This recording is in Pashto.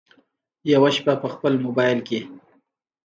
یوه شپه په خپل مبایل کې